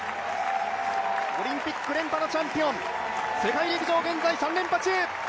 オリンピック連覇のチャンピオン、世界陸上、現在３連覇中。